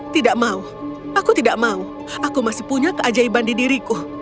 tidak mau aku tidak mau aku masih punya keajaiban di diriku